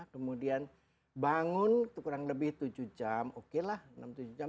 kemudian bangun kurang lebih tujuh jam